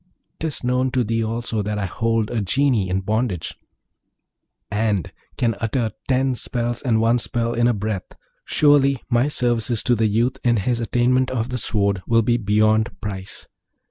'Tis known to thee also that I hold a Genie in bondage, and can utter ten spells and one spell in a breath. Surely my services to the youth in his attainment of the Sword will be beyond price!